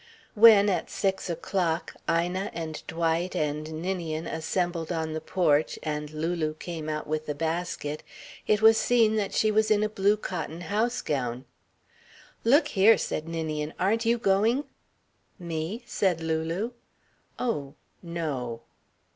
When, at six o'clock, Ina and Dwight and Ninian assembled on the porch and Lulu came out with the basket, it was seen that she was in a blue cotton house gown. "Look here," said Ninian, "aren't you going?" "Me?" said Lulu. "Oh, no."